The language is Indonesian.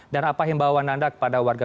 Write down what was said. dan apa yang bawa anda kepada warga